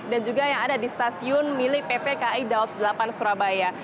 dan juga yang ada di stasiun milik ppki daops delapan surabaya